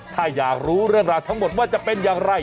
ถ้าอยากรู้เรื่องราวทั้งหมดว่าจะเป็นอย่างไร